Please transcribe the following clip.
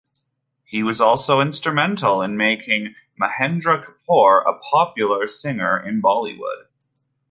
He was also instrumental in making Mahendra Kapoor a popular singer in Bollywood.